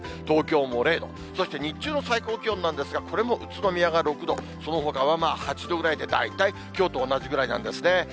東京も０度、そして日中の最高気温なんですが、これもうつのみやが６度、そのほかは８度ぐらいで、大体きょうと同じぐらいなんですね。